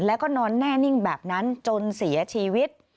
แล้วก็นอนแน่นิ่งแบบนั้นจนเสียชีวิต